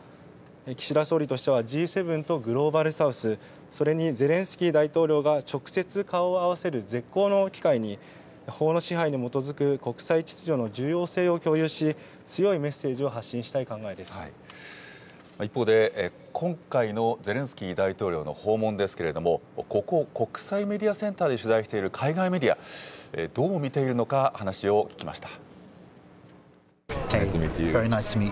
岸田総理としては、Ｇ７とグローバル・サウス、それにゼレンスキー大統領が直接顔を合わせる絶好の機会に、法の支配に基づく国際秩序の重要性を共有し、強いメッセージを発信し一方で、今回のゼレンスキー大統領の訪問ですけれども、ここ国際メディアセンターで取材している海外メディア、どう見ているのか話を聞きました。